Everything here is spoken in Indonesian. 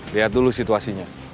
liat dulu situasinya